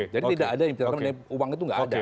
jadi tidak ada yang ditanyakan uang itu tidak ada